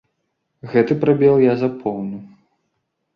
Гэты прабел я запоўню.